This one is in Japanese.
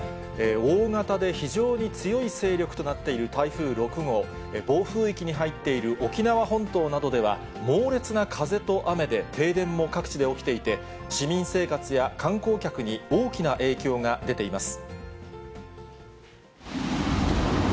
大型で非常に強い勢力となっている台風６号、暴風域に入っている沖縄本島などでは、猛烈な風と雨で停電も各地で起きていて、市民生活や観光客に大きな影響が出ています。